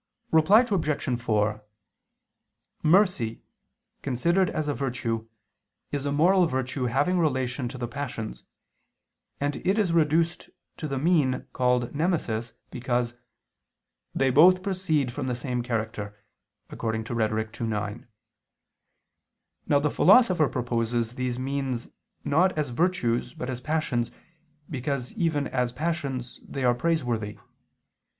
Reply Obj. 4: Mercy, considered as a virtue, is a moral virtue having relation to the passions, and it is reduced to the mean called nemesis, because "they both proceed from the same character" (Rhet. ii, 9). Now the Philosopher proposes these means not as virtues, but as passions, because, even as passions, they are praiseworthy.